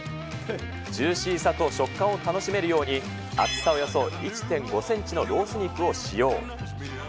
ジューシーさと食感を楽しめるように、厚さおよそ１．５センチのロース肉を使用。